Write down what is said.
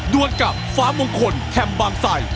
รวดกลับฟ้ามงคลแถมบางไส่